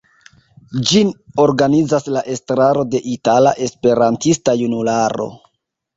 Ĝin organizas la estraro de Itala Esperantista Junularo.